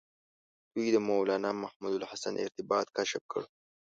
دوی د مولنا محمود الحسن ارتباط کشف کړ.